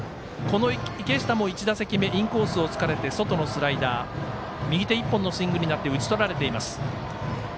池下も１打席目はインコースをつかれて外のスライダー右手１本のスイングになって打ち取られています。